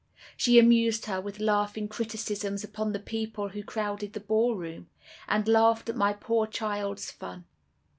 She amused her with laughing criticisms upon the people who crowded the ballroom, and laughed at my poor child's fun.